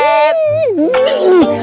situasinya serem banget